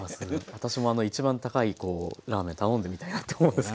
私もあの一番高いラーメン頼んでみたいなと思います。